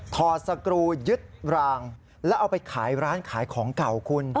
ถอดสกรูยึดรางแล้วเอาไปขายร้านขายของเก่าคุณ